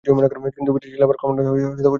কিন্তু British Labour government তা খারিজ করে।